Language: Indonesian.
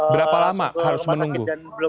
berapa lama harus menunggu